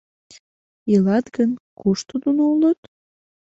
Илат гын, кушто нуно улыт?